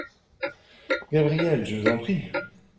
Gabriel Je vous en prie !